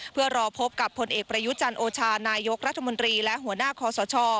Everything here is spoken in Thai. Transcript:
เพื่อรอพบกับผลเอกประยุจันทร์โอชานายกรัฐมนตรีและหัวหน้าคอสช